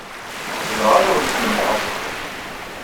Zemreɣ ad awen-slemdeɣ asewwi.